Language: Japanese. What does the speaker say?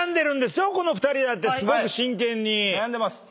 悩んでます。